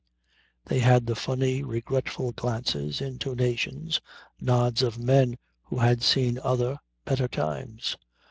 They had the funny, regretful glances, intonations, nods of men who had seen other, better times.